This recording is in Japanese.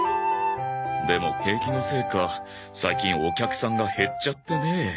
でも景気のせいか最近お客さんが減っちゃってねえ。